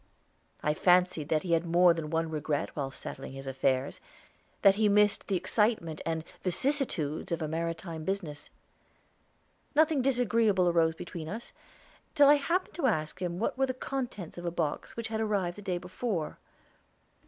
I fancied that he had more than one regret while settling his affairs; that he missed the excitement and vicissitudes of a maritime business. Nothing disagreeable arose between us, till I happened to ask him what were the contents of a box which had arrived the day before.